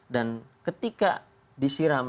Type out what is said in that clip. dan ketika disiram